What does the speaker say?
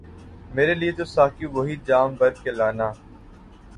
میرے لئے تو ساقی وہی جام بھر کے لانا